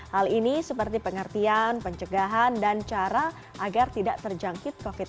hal ini seperti pengertian pencegahan dan cara agar tidak terjangkit covid sembilan belas